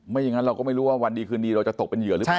อย่างนั้นเราก็ไม่รู้ว่าวันดีคืนดีเราจะตกเป็นเหยื่อหรือเปล่า